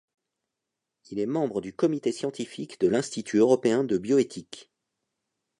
Il est membre du comité scientifique de l’Institut européen de bioéthique.